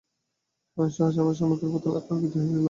সহসা আমার সমুখের পথ আলোকিত হয়ে গেল।